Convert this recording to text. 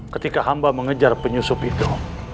ketika hamba mengejar penyusup itu